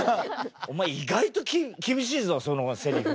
お前意外と厳しいぞそのセリフ。